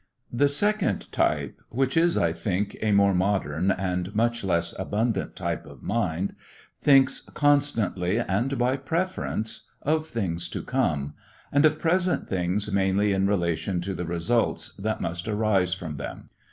The second type, which is, I think, a more modern and much less abundant type of mind, thinks constantly and by preference of things to come, and of present things mainly in relation to the results that must arise from them.